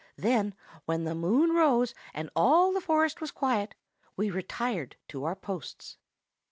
Then, when the moon rose, and all the forest was quiet, we retired to our posts.